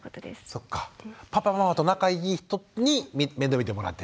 パパママと仲いい人に面倒を見てもらってる。